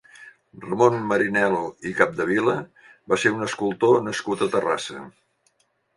Ramon Marinel·lo i Capdevila va ser un escultor nascut a Terrassa.